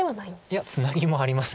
いやツナギもあります。